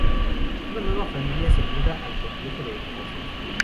Una nueva familia se muda al complejo de edificios.